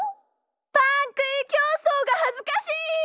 パンくいきょうそうがはずかしい！